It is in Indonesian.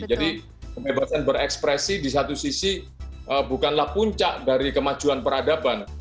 kebebasan berekspresi di satu sisi bukanlah puncak dari kemajuan peradaban